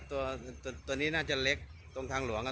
เอ่อตรงเนี้ยตัวตัวเนี้ยน่าจะเล็กตรงทางหลวงอ่ะ